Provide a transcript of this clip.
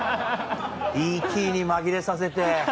Ｅ．Ｔ．に紛れさせて。